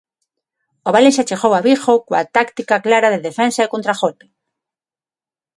O Valencia chegou a Vigo coa táctica clara de defensa e contragolpe.